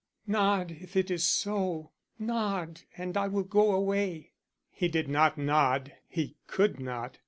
Nod if it is so, nod and I will go away." He did not nod; he could not.